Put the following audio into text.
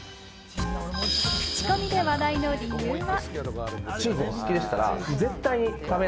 クチコミで話題の理由は。